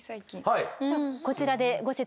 はい。